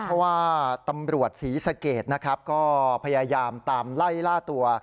เพราะว่าตำรวจศรีสะเกดนะครับก็พยายามตามไล่ล่าตัว